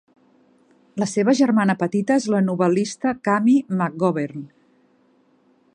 La seva germana petita és la novel·lista Cammie McGovern.